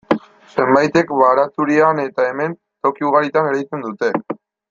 Zenbaitek baratxuria han eta hemen, toki ugaritan ereiten dute.